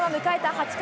８回。